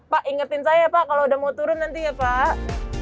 pak ingetin saya ya pak kalau udah mau turun nanti ya pak